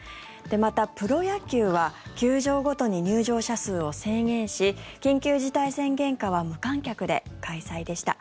また、プロ野球は球場ごとに入場者数を制限し緊急事態宣言下は無観客で開催でした。